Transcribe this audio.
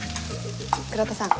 倉田さん